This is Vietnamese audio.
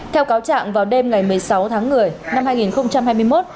theo cáo trạng vào đêm ngày một mươi sáu tháng một mươi năm hai nghìn hai mươi một